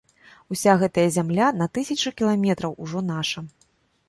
Уся гэтая зямля на тысячы кіламетраў ужо наша.